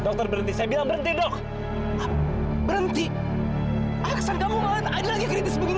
kamu akan diobati dan kamu akan sembuh